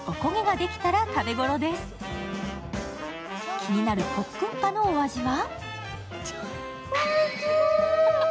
気になるポックンパのお味は？